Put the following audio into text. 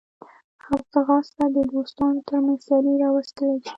ځغاسته د دوستانو ترمنځ سیالي راوستلی شي